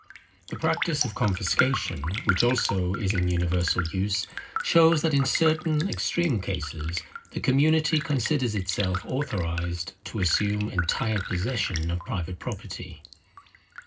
The practice of confiscation, which also is in universal use, shows that in certain extreme cases the community considers itself authorized to assume entire possession of private property.